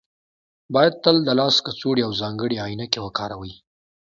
باید تل د لاس کڅوړې او ځانګړې عینکې وکاروئ